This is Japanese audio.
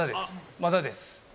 まだです。